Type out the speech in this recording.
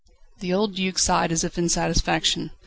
The old Duc sighed as if in satisfaction.